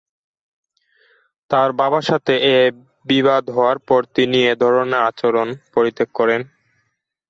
তার বাবার সাথে এ বিবাদ হওয়ার পর তিনি এ ধরনের আচরণ পরিত্যাগ করেন।